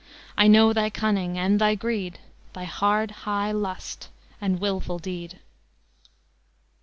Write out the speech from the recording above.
... I know thy cunning and thy greed, Thy hard, high lust and willful deed."